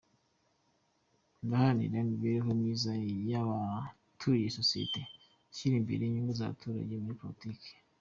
Ndaharanira imibereho myiza y’abatuye sosiyete, nshyira imbere inyungu z’abaturage muri politiki.